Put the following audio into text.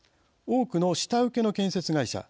多くの下請けの建設会社。